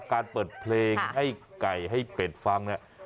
การเปิดเพลงให้ไก่ให้เป็ดฟังเนี่ย